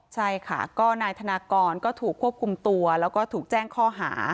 ใช่ค่ะก็นายธนากรก็ถูกควบคุมตัวแล้วก็ถูกแจ้งข้อหา